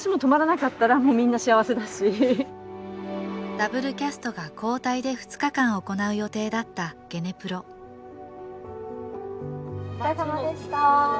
ダブルキャストが交代で２日間行う予定だったゲネプロお疲れさまでした。